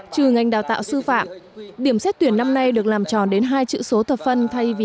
trừ ngành đào tạo sư phạm điểm xét tuyển năm nay được làm tròn đến hai chữ số thập phân thay vì